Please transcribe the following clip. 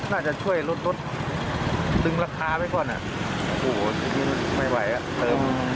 น่าจะช่วยลดลดดึงราคาไว้ก่อนอ่ะโอ้โหทีนี้ไม่ไหวอ่ะเติม